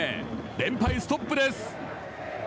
連敗ストップです。